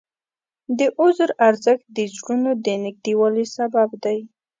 د عذر ارزښت د زړونو د نږدېوالي سبب دی.